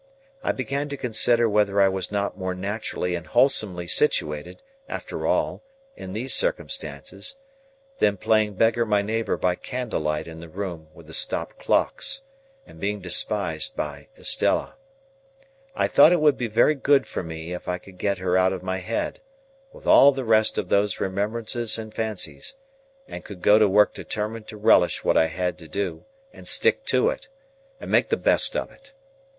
I began to consider whether I was not more naturally and wholesomely situated, after all, in these circumstances, than playing beggar my neighbour by candle light in the room with the stopped clocks, and being despised by Estella. I thought it would be very good for me if I could get her out of my head, with all the rest of those remembrances and fancies, and could go to work determined to relish what I had to do, and stick to it, and make the best of it.